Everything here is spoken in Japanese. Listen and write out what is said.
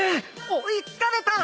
追い付かれた！